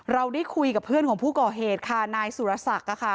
เราได้คุยกับเพื่อนของผู้ก่อเหตุค่ะนายสุรศักดิ์ค่ะ